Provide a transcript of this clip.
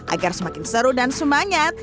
agar semakin seru dan semangat